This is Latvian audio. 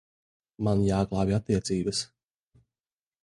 Man jāglābj attiecības.